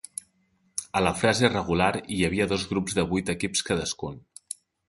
A la fase regular hi havia dos grups de vuit equips cadascun.